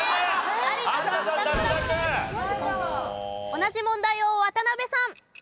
同じ問題を渡辺さん。